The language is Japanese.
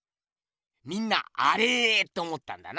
みんな「アレー」って思ったんだな。